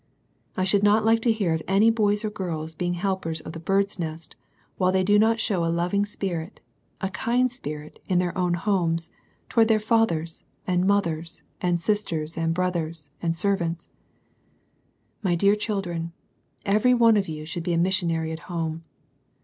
I should not like to hear of any boys or girls being helpers of the " Bird's Nest," while they don't show a loving spirit, a kind spirit, in their own homes, towards their fathers, and mothers, and sisters, and brothers, and servants. My dear children, every one of you should be a missionary at home.